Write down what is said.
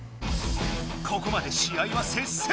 ここまで試合は接戦！